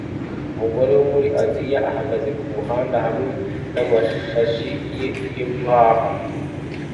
Umugore wo muri Aziya ahagaze kumuhanda hamwe namashashi ye yo guhaha